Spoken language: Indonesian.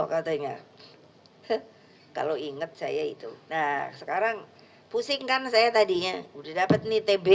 katanya kalau inget saya itu nah sekarang pusing kan saya tadinya udah dapet nih tb